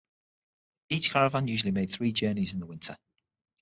Each caravan usually made three journeys in the winter.